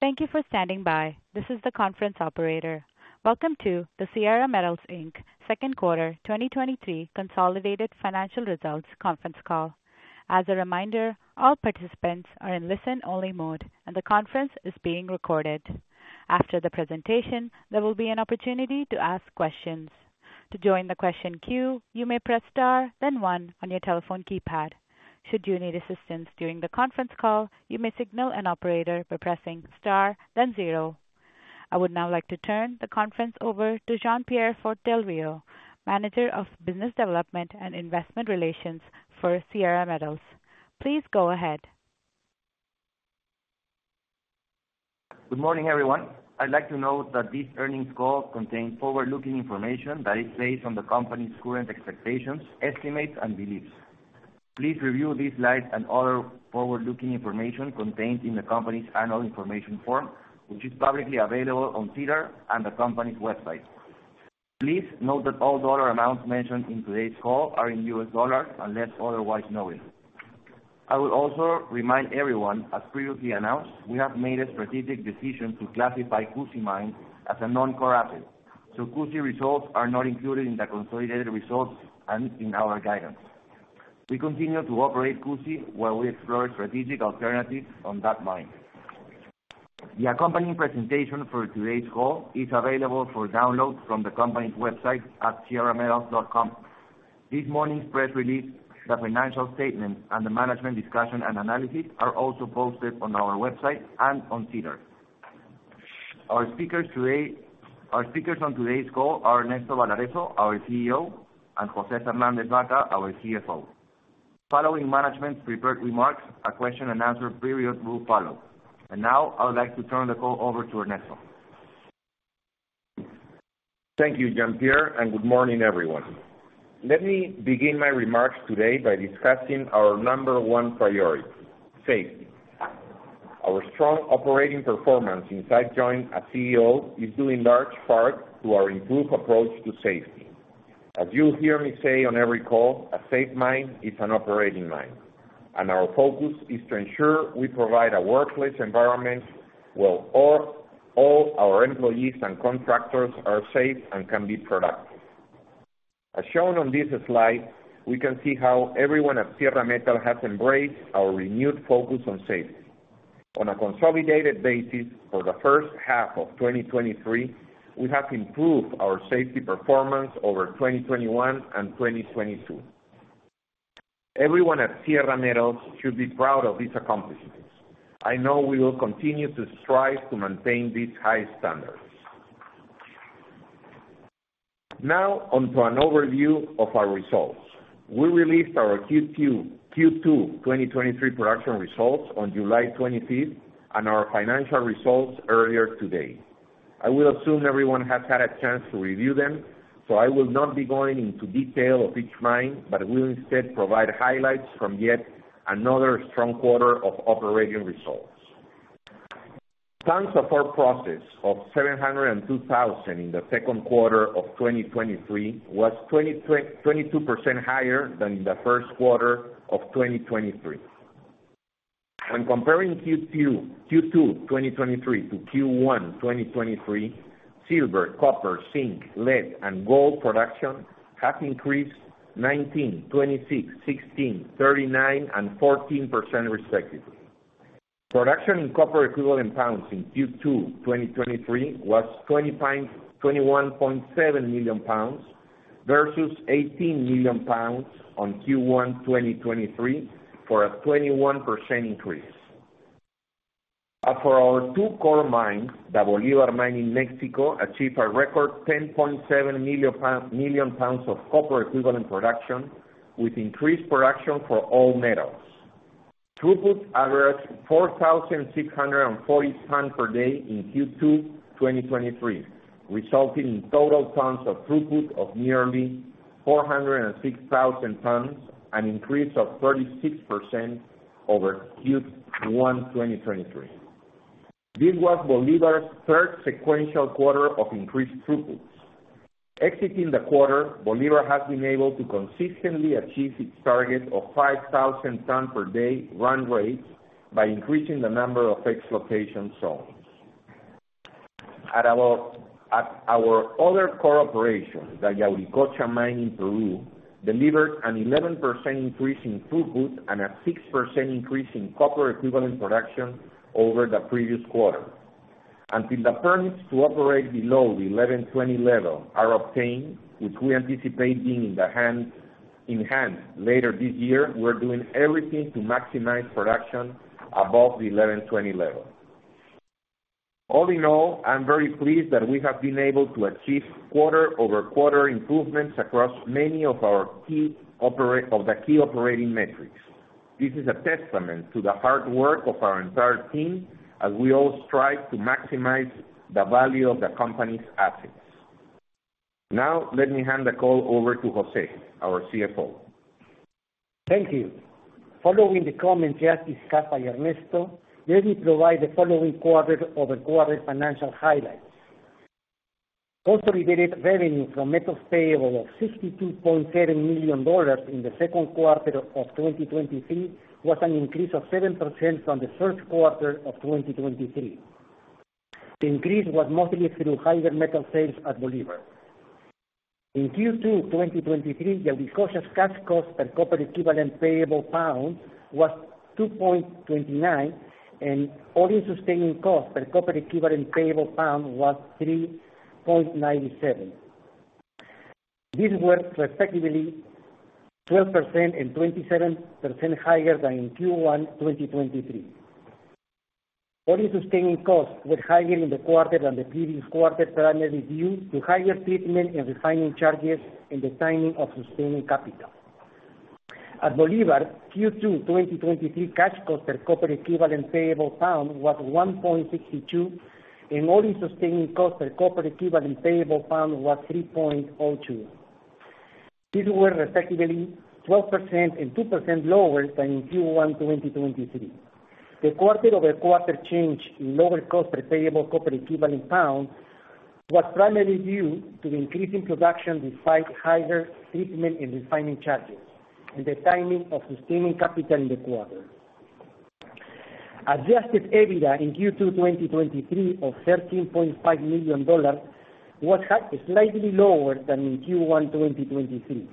Thank you for standing by. This is the conference Operator. Welcome to the Sierra Metals Inc. second quarter 2023 consolidated financial results conference call. As a reminder, all participants are in listen-only mode, and the conference is being recorded. After the presentation, there will be an opportunity to ask questions. To join the question queue, you may press star, then one on your telephone keypad. Should you need assistance during the conference call, you may signal an Operator by pressing star, then zero. I would now like to turn the conference over to Jean-Pierre Fort Del Rio, Manager of Corporate Development and Investor Relations for Sierra Metals. Please go ahead. Good morning, everyone. I'd like to note that this earnings call contains forward-looking information that is based on the company's current expectations, estimates, and beliefs. Please review these slides and other forward-looking information contained in the company's annual information form, which is publicly available on SEDAR and the company's website. Please note that all dollar amounts mentioned in today's call are in U.S. dollars unless otherwise noted. I would also remind everyone, as previously announced, we have made a strategic decision to classify Cusi Mine as a non-core asset, so Cusi results are not included in the consolidated results and in our guidance. We continue to operate Cusi while we explore strategic alternatives on that mine. The accompanying presentation for today's call is available for download from the company's website at sierrametals.com. This morning's press release, the financial statements, and the management's discussion and analysis are also posted on our website and on SEDAR. Our speakers on today's call are Ernesto Balarezo, our CEO, and Jose Fernandez Baca, our CFO. Following management's prepared remarks, a question-and-answer period will follow. Now, I would like to turn the call over to Ernesto. Thank you, Jean-Pierre, and good morning, everyone. Let me begin my remarks today by discussing our number one priority, safety. Our strong operating performance since I joined as CEO is due in large part to our improved approach to safety. As you'll hear me say on every call, a safe mine is an operating mine, and our focus is to ensure we provide a workplace environment where all, all our employees and contractors are safe and can be productive. As shown on this slide, we can see how everyone at Sierra Metals has embraced our renewed focus on safety. On a consolidated basis, for the first half of 2023, we have improved our safety performance over 2021 and 2022. Everyone at Sierra Metals should be proud of these accomplishments. I know we will continue to strive to maintain these high standards. Now on to an overview of our results. We released our Q2 2023 production results on July 25th, and our financial results earlier today. I will assume everyone has had a chance to review them, I will not be going into detail of each mine, but will instead provide highlights from yet another strong quarter of operating results. Tons of ore processed of 702,000 in the second quarter of 2023 was 22% higher than in the first quarter of 2023. When comparing Q2 2023 to Q1 2023, silver, copper, zinc, lead, and gold production have increased 19%, 26%, 16%, 39%, and 14%, respectively. Production in copper equivalent pounds in Q2 2023 was 21.7 million pounds, versus 18 million pounds on Q1 2023, for a 21% increase. As for our two core mines, the Bolivar Mine in Mexico achieved a record 10.7 million pounds of copper equivalent production, with increased production for all metals. Throughput averaged 4,640 tons per day in Q2 2023, resulting in total tons of throughput of nearly 406,000 tons, an increase of 36% over Q1 2023. This was Bolivar's third sequential quarter of increased throughput. Exiting the quarter, Bolivar has been able to consistently achieve its target of 5,000 tons per day run rate by increasing the number of exploitation zones. At our other core operation, the Yauricocha Mine in Peru, delivered an 11% increase in throughput and a 6% increase in copper equivalent production over the previous quarter. Until the permits to operate below the 1120 level are obtained, which we anticipate being in hand later this year, we're doing everything to maximize production above the 1120 level. All in all, I'm very pleased that we have been able to achieve quarter-over-quarter improvements across many of our key operating metrics. This is a testament to the hard work of our entire team, as we all strive to maximize the value of the company's assets. Let me hand the call over to Jose, our CFO. Thank you. Following the comments just discussed by Ernesto, let me provide the following quarter-over-quarter financial highlights. Cnsolidated revenue from metals payable of $62.7 million in the second quarter of 2023, was an increase of 7% from the first quarter of 2023. The increase was mostly through higher metal sales at Bolivar. In Q2 2023, the Yauricocha's cash cost per copper equivalent payable pound was $2.29, and All-In Sustaining Costs per copper equivalent payable pound was $3.97. These were respectively 12% and 27% higher than in Q1 2023. All-In Sustaining Costs were higher in the quarter than the previous quarter, primarily due to higher treatment and refining charges, and the timing of sustaining capital. At Bolivar, Q2 2023 cash cost per copper equivalent payable pound was $1.62, and All-In Sustaining Costs per copper equivalent payable pound was $3.02. These were respectively 12% and 2% lower than in Q1 2023. The quarter-over-quarter change in lower cost per payable copper equivalent pound was primarily due to the increase in production, despite higher treatment and refining charges, and the timing of sustaining capital in the quarter. Adjusted EBITDA in Q2 2023 of $13.5 million, was slightly lower than in Q1 2023.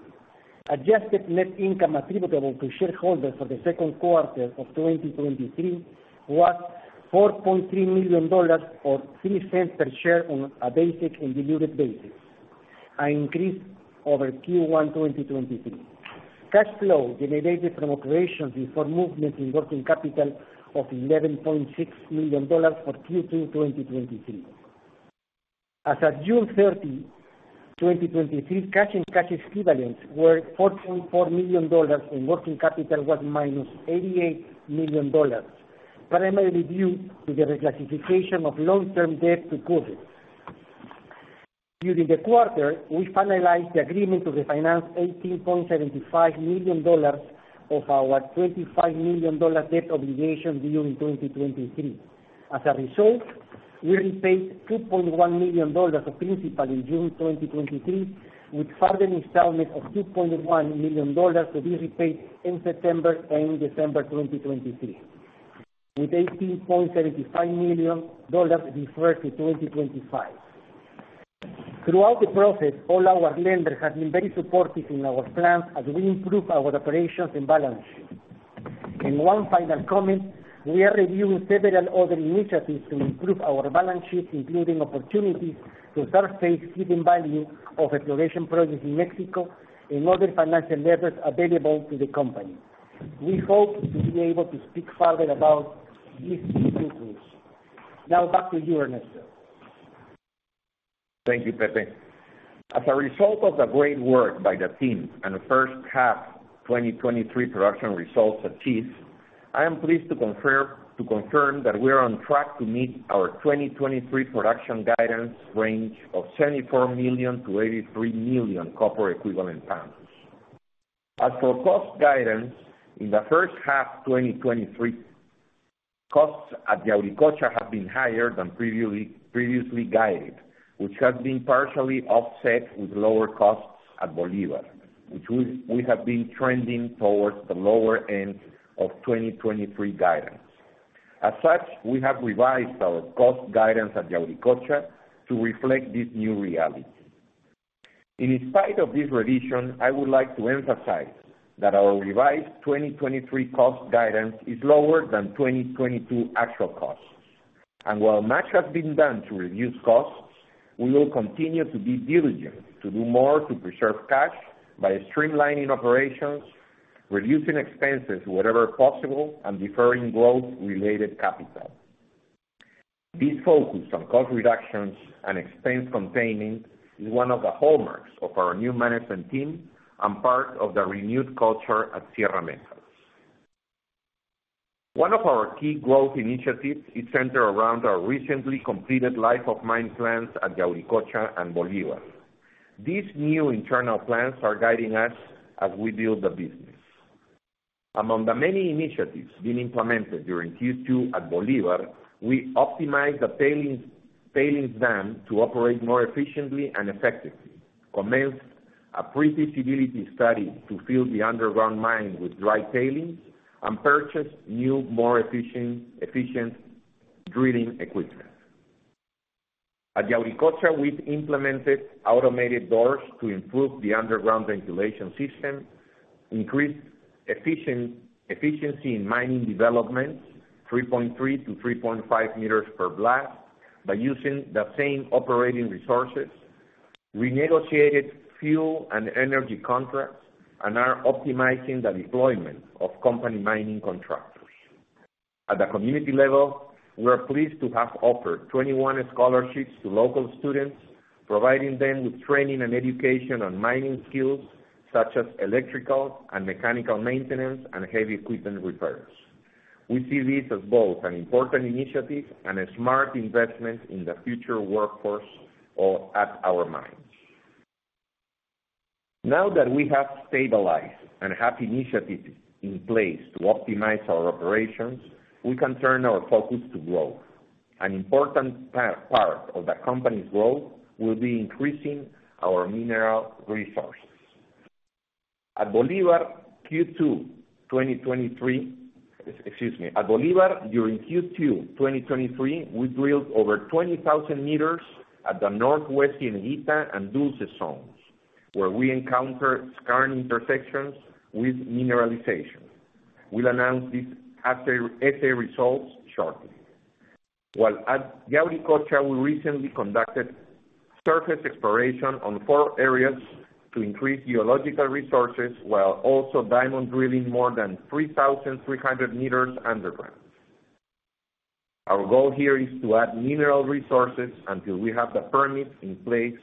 Adjusted net income attributable to shareholders for the second quarter of 2023 was $4.3 million, or $0.03 per share on a basic and diluted basis, an increase over Q1 2023. Cash flow generated from operations before movement in working capital of $11.6 million for Q2 2023. As of June 30, 2023, cash and cash equivalents were 14.4 million dollars, and working capital was -88 million dollars, primarily due to the reclassification of long-term debt to current. During the quarter, we finalized the agreement to refinance 18.75 million dollars of our 25 million dollars debt obligation due in 2023. As a result, we repaid 2.1 million dollars of principal in June 2023, with further installment of 2.1 million dollars to be repaid in September and December 2023, with 18.75 million dollars deferred to 2025. Throughout the process, all our lenders have been very supportive in our plans as we improve our operations and balance sheet. One final comment, we are reviewing several other initiatives to improve our balance sheet, including opportunities to surface hidden value of exploration projects in Mexico and other financial levers available to the company. We hope to be able to speak further about these initiatives. Now, back to you, Ernesto. Thank you, Jose. As a result of the great work by the team and the first half 2023 production results achieved, I am pleased to confirm, to confirm that we are on track to meet our 2023 production guidance range of 74 million to 83 million copper equivalent pounds. As for cost guidance, in the first half 2023, costs at Yauricocha have been higher than previously, previously guided, which has been partially offset with lower costs at Bolivar, which we, we have been trending towards the lower end of 2023 guidance. As such, we have revised our cost guidance at Yauricocha to reflect this new reality. In spite of this revision, I would like to emphasize that our revised 2023 cost guidance is lower than 2022 actual costs. While much has been done to reduce costs, we will continue to be diligent, to do more to preserve cash by streamlining operations, reducing expenses wherever possible, and deferring growth-related capital. This focus on cost reductions and expense containing is one of the hallmarks of our new management team and part of the renewed culture at Sierra Metals. One of our key growth initiatives is centered around our recently completed life of mine plans at Yauricocha and Bolivar. These new internal plans are guiding us as we build the business. Among the many initiatives being implemented during Q2 at Bolivar, we optimized the tailings dam to operate more efficiently and effectively, commenced a pre-feasibility study to fill the underground mine with dry tailings, and purchased new, more efficient drilling equipment. At Yauricocha, we've implemented automated doors to improve the underground ventilation system, increased efficiency in mining development, 3.3 to 3.5 meters per blast, by using the same operating resources, renegotiated fuel and energy contracts, and are optimizing the deployment of company mining contractors. At the community level, we are pleased to have offered 21 scholarships to local students, providing them with training and education on mining skills such as electrical and mechanical maintenance, and heavy equipment repairs. We see this as both an important initiative and a smart investment in the future workforce of at our mine. Now that we have stabilized and have initiatives in place to optimize our operations, we can turn our focus to growth. An important part of the company's growth will be increasing our mineral resources. At Bolivar, Q2 2023, excuse me. At Bolivar, during Q2 2023, we drilled over 20,000 meters at the northwest in Cieneguita and Dulce zones, where we encountered skarn intersections with mineralization. We'll announce these assay results shortly. At Yauricocha, we recently conducted surface exploration on four areas to increase geological resources, while also diamond drilling more than 3,300 meters underground. Our goal here is to add mineral resources until we have the permits in place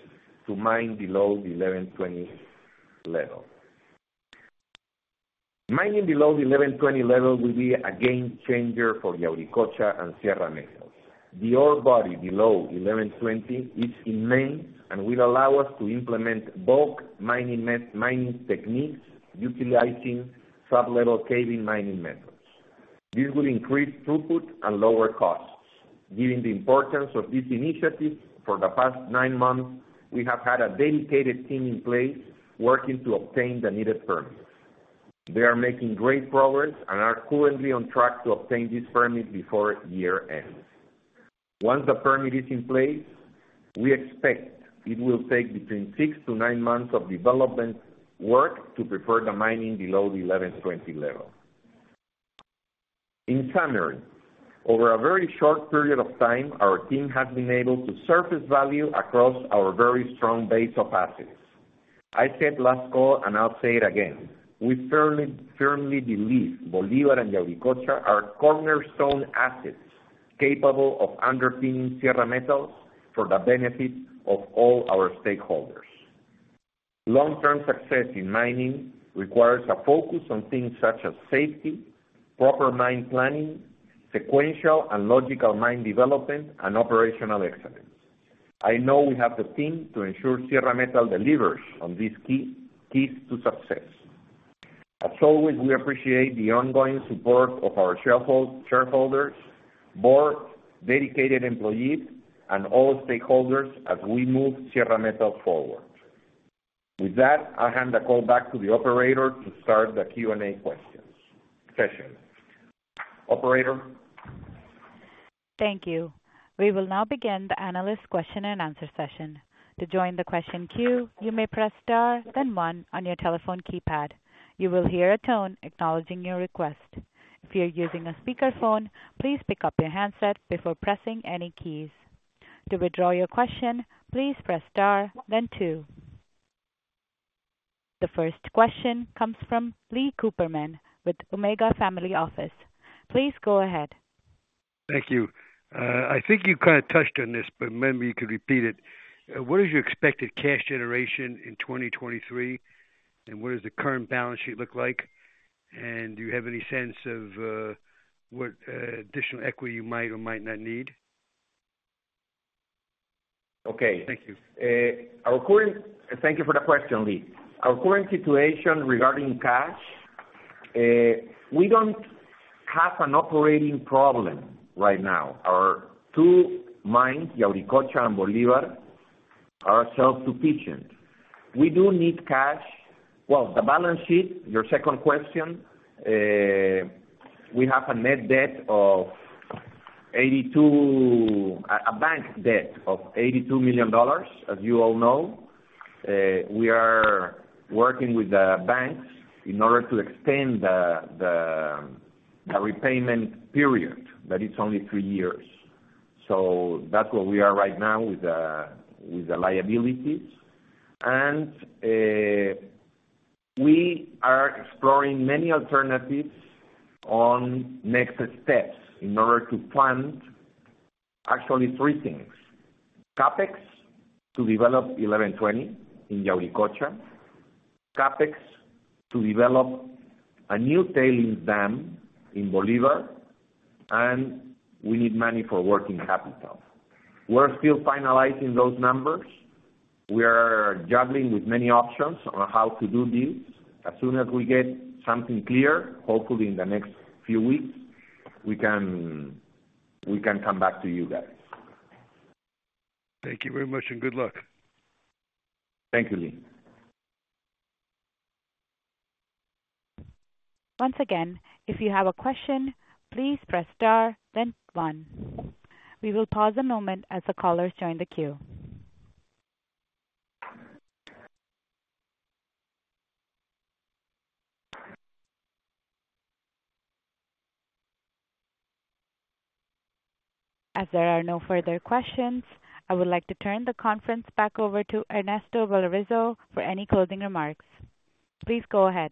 to mine below the 1120 level. Mining below the 1120 level will be a game changer for Yauricocha and Sierra Metals. The ore body below 1120 is immense and will allow us to implement bulk mining techniques utilizing sublevel caving mining methods. This will increase throughput and lower costs. Given the importance of this initiative, for the past 9 months, we have had a dedicated team in place working to obtain the needed permits. They are making great progress and are currently on track to obtain this permit before year-end. Once the permit is in place, we expect it will take between 6-9 months of development work to prepare the mining below the 1120 level. In summary, over a very short period of time, our team has been able to surface value across our very strong base of assets. I said last call, and I'll say it again, we firmly, firmly believe Bolivar and Yauricocha are cornerstone assets, capable of underpinning Sierra Metals for the benefit of all our stakeholders. Long-term success in mining requires a focus on things such as safety, proper mine planning, sequential and logical mine development, and operational excellence. I know we have the team to ensure Sierra Metals delivers on these keys to success. As always, we appreciate the ongoing support of our shareholders, board, dedicated employees, and all stakeholders as we move Sierra Metals forward. With that, I'll hand the call back to the Operator to start the Q&A questions, session. Operator? Thank you. We will now begin the analyst question-and-answer session. To join the question queue, you may press star then one on your telephone keypad. You will hear a tone acknowledging your request. If you're using a speakerphone, please pick up your handset before pressing any keys. To withdraw your question, please press star then two. The first question comes from Lee Cooperman with Omega Family Office. Please go ahead. Thank you. I think you kinda touched on this, but maybe you could repeat it. What is your expected cash generation in 2023? What does the current balance sheet look like? Do you have any sense of what additional equity you might or might not need? Okay. Thank you. Thank you for the question, Lee. Our current situation regarding cash, we don't have an operating problem right now. Our two mines, Yauricocha and Bolivar, are self-sufficient. We do need cash. Well, the balance sheet, your second question, we have a net debt of $82 million, a bank debt of $82 million, as you all know. We are working with the banks in order to extend the repayment period, but it's only 3 years. That's where we are right now with the liabilities. We are exploring many alternatives on next steps in order to plan actually 3 things: CapEx to develop 1120 in Yauricocha, CapEx to develop a new tailings dam in Bolivar, and we need money for working capital. We're still finalizing those numbers. We are juggling with many options on how to do this. As soon as we get something clear, hopefully in the next few weeks, we can, we can come back to you guys. Thank you very much, and good luck. Thank you, Lee. Once again, if you have a question, please press star then one. We will pause a moment as the callers join the queue. As there are no further questions, I would like to turn the conference back over to Ernesto Balarezo for any closing remarks. Please go ahead.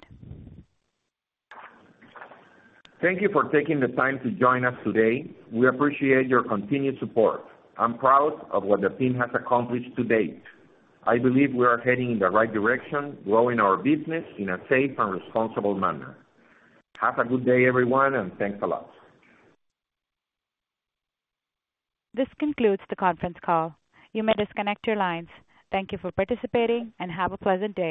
Thank you for taking the time to join us today. We appreciate your continued support. I'm proud of what the team has accomplished to date. I believe we are heading in the right direction, growing our business in a safe and responsible manner. Have a good day, everyone, and thanks a lot. This concludes the conference call. You may disconnect your lines. Thank you for participating and have a pleasant day.